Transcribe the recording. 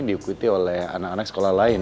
diikuti oleh anak anak sekolah lain